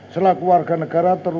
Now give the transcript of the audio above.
selaku warga negara terutama